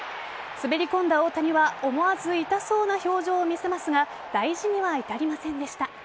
滑り込んだ大谷は思わず痛そうな表情を見せますが大事には至りませんでした。